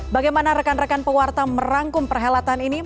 bagaimana rekan rekan pewarta merangkum perhelatan ini